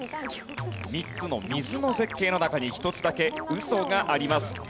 ３つの水の絶景の中に１つだけウソがあります。